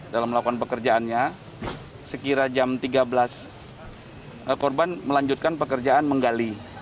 dalam melakukan pekerjaannya sekira jam tiga belas korban melanjutkan pekerjaan menggali